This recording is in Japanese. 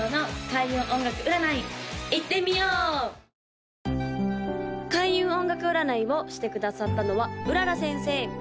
・開運音楽占いをしてくださったのは麗先生